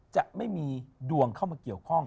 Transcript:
จะไม่มีดวงเข้ามาเกี่ยวข้อง